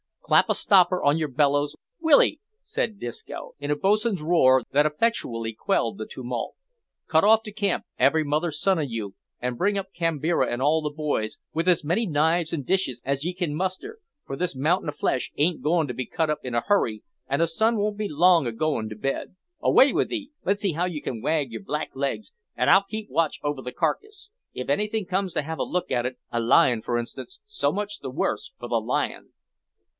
Clap a stopper on your bellows, will 'ee?" said Disco, in a boatswain's roar, that effectually quelled the tumult. "Cut off to camp, every mother's son of you, an bring up Kambira an' all the boys, with as many knives and dishes as ye can muster, for this mountain of flesh ain't to be cut up in a hurry, an' the sun won't be long o' goin' to bed. Away with 'ee! Let's see how you can wag yer black legs, an' I'll keep watch over the carcase. If anything comes to have a look at it a lion, for instance, so much the worse for the lion!"